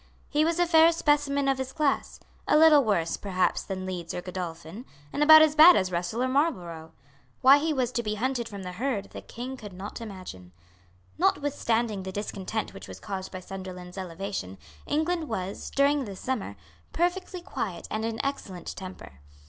He was a fair specimen of his class, a little worse, perhaps, than Leeds or Godolphin, and about as bad as Russell or Marlborough. Why he was to be hunted from the herd the King could not imagine. Notwithstanding the discontent which was caused by Sunderland's elevation, England was, during this summer, perfectly quiet and in excellent temper.